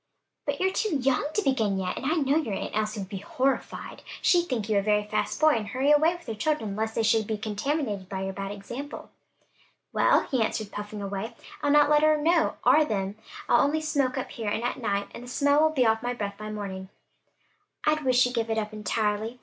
"But you're too young to begin yet, and I know your Aunt Elsie would be horrified. She'd think you a very fast boy and hurry away with her children, lest they should be contaminated by your bad example." "Well," he answered, puffing away, "I'll not let her or them know I ever indulge. I'll only smoke up here and at night, and the smell will be all off my breath by morning." "I wish you'd give it up entirely.